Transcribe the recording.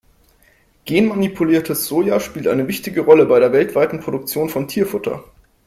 Genmanipuliertes Soja spielt eine wichtige Rolle bei der weltweiten Produktion von Tierfutter.